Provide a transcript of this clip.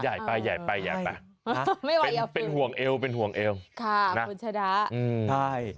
ใหญ่ไปใหญ่ไปใหญ่ไปเป็นห่วงเอวเป็นห่วงเอวค่ะนะคุณชนะใช่